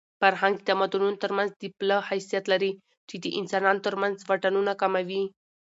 فرهنګ د تمدنونو ترمنځ د پله حیثیت لري چې د انسانانو ترمنځ واټنونه کموي.